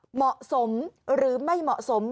เหมาะสมหรือไม่เหมาะสม